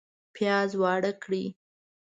پیاز واړه کړئ